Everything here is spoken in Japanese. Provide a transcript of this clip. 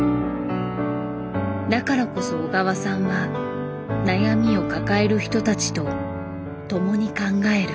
だからこそ小川さんは悩みを抱える人たちとともに考える。